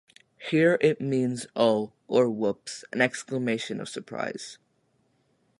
Here it means "Oh" or "Woops", an exclamation of surprise.